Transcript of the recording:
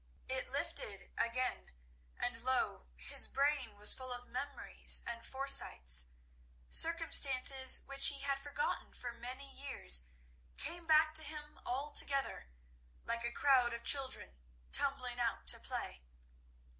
It lifted again, and lo! his brain was full of memories and foresights. Circumstances which he had forgotten for many years came back to him altogether, like a crowd of children tumbling out to play.